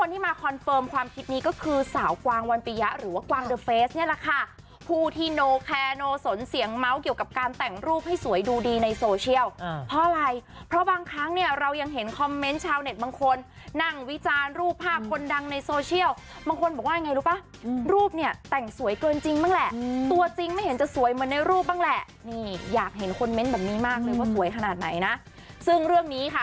นี่แหละค่ะผู้ที่โนแคร์โนสนเสียงเมาส์เกี่ยวกับการแต่งรูปให้สวยดูดีในโซเชียลเพราะอะไรเพราะบางครั้งเนี่ยเรายังเห็นคอมเมนต์ชาวเน็ตบางคนนั่งวิจารณ์รูปภาพคนดังในโซเชียลบางคนบอกว่าไงรู้ปะรูปเนี่ยแต่งสวยเกินจริงบ้างแหละตัวจริงไม่เห็นจะสวยเหมือนในรูปบ้างแหละนี่อยากเห็นคอมเมนต